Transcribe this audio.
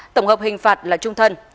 tổng hợp hình phạt là trung thân